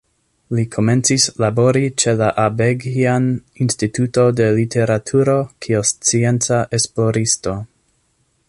Li komencis labori ĉe la Abeghjan Instituto de Literaturo kiel scienca esploristo.